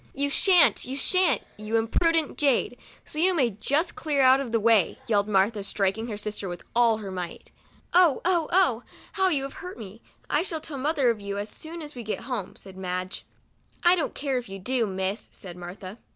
" You shan't, you shan't, you impudent jade, so you may just clear out of the way," yelled Martha, striking her sister with all her might. COUNTRY DOLL. 47 " Oh ! oh ! oh ! how you have hurt me ! I shall tell mother of you as soon as we get home," said Madge. " I don't care if you do, Miss," said Martha.